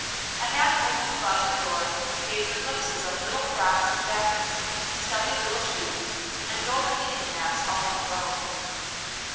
A half open closet door gave her glimpses of little frocks and jackets, stubby little shoes, and go to meeting hats all in a row.